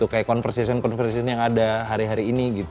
kayak konversasi konversasi yang ada hari hari ini